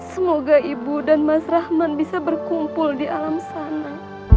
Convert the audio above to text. semoga ibu dan mas rahman bisa berkumpul di alam sana